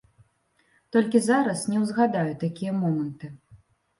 Толькі зараз не ўзгадаю такія моманты.